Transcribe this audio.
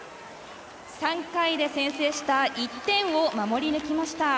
３回で先制した１点を守り抜きました。